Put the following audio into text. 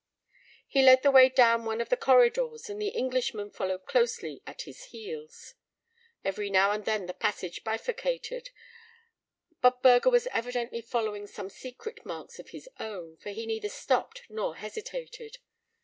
He led the way down one of the corridors, and the Englishman followed closely at his heels. Every now and then the passage bifurcated, but Burger was evidently following some secret marks of his own, for he neither stopped nor hesitated.